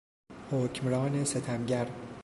حکمران ستمگر